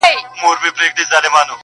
بيله شکه الله تعالی غفور او رحيم دی.